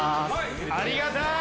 ありがたい！